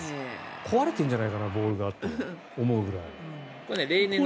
壊れているんじゃないかなボールがと思うぐらい。